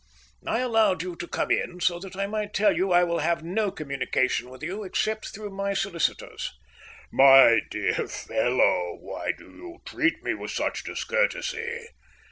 "I allowed you to come in so that I might tell you I will have no communication with you except through my solicitors." "My dear fellow, why do you treat me with such discourtesy?